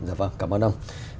dạ vâng cảm ơn ông